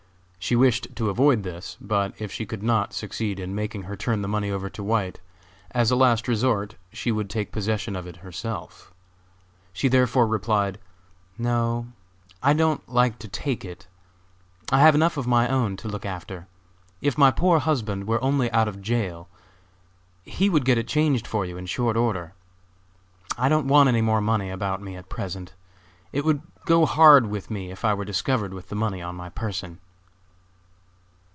She wished to avoid this, but if she could not succeed in making her turn the money over to White, as a last resort she would take possession of it herself. She therefore replied: "No, I don't like to take it; I have enough of my own to look after. If my poor husband were only out of jail he would get it changed for you in short order. I don't want any more money about me at present; it would go hard with me if I were discovered with the money on my person."